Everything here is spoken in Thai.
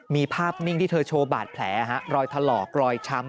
มีภาพนิ่งที่เธอโชว์บาดแผลรอยถลอกรอยช้ำ